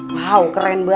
wow keren banget ya tik